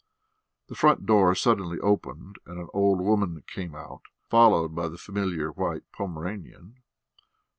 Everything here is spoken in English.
The front door suddenly opened, and an old woman came out, followed by the familiar white Pomeranian.